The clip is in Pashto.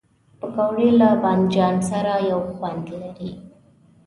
پکورې له بادنجان سره یو خوند لري